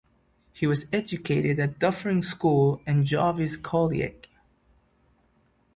He was educated at Dufferin School and Jarvis Collegiate.